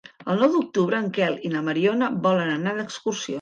El nou d'octubre en Quel i na Mariona volen anar d'excursió.